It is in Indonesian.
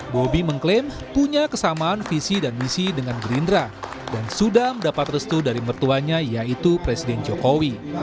bobi mengklaim punya kesamaan visi dan misi dengan gerindra dan sudah mendapat restu dari mertuanya yaitu presiden jokowi